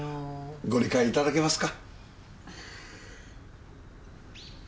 ご理解頂けますか？